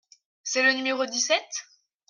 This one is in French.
C’est le numéro dix-sept ?